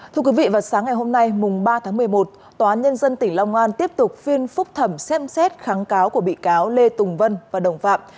thưa quý vị vào sáng ngày hôm nay mùng ba tháng một mươi một tòa án nhân dân tỉnh long an tiếp tục phiên phúc thẩm xem xét kháng cáo của bị cáo lê tùng vân và đồng phạm